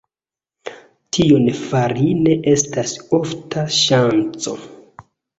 Tion fari ne estas ofta ŝanco.